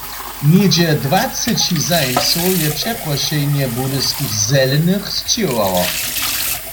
Něhdźe dwaceći zajimcow je přeprošenje Budyskich Zelenych sćěhowało.